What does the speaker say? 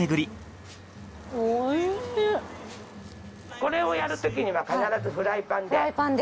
これをやるときには必ずフライパンで。